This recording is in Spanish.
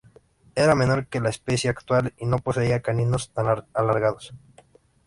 Era menor que la especie actual y no poseía caninos tan alargados.